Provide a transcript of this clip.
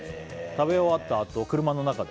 食べ終わったあと車の中で」